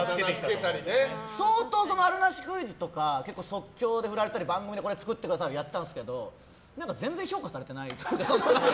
相当あるなしクイズとか即興で振られたり番組で作ってくださいとかやったんですけど全然、評価されてなくて。